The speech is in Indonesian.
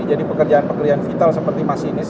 jadi pekerjaan pekerjaan vital seperti masinis